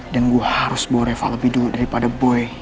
dan gue harus bawa reva lebih dulu daripada boy